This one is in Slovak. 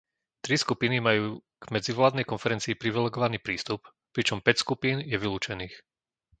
Tri skupiny majú k medzivládnej konferencii privilegovaný prístup, pričom päť skupín je vylúčených.